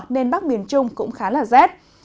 nên bắc miền trung cũng khá là rét